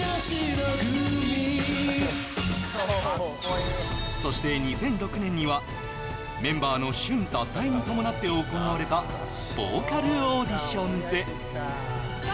白組そして２００６年にはメンバーのＳＨＵＮ脱退に伴って行われたボーカルオーディションで・